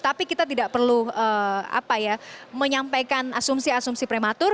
tapi kita tidak perlu menyampaikan asumsi asumsi prematur